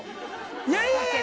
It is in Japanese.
いやいや。